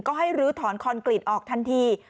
ก็ให้ลื้อถอนคอนกรีตออกทันที